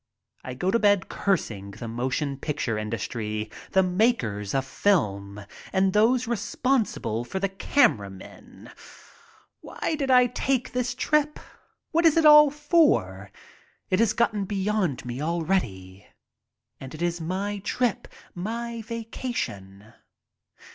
I go to bed cursing the motion picture industry, the makers of film, and those responsible for camera men. Why did I take the trip? What is it all for? It has gotten beyond me already and it is my trip, my vacation.